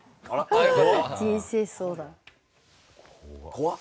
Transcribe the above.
怖っ！